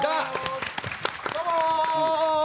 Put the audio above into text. どうもー！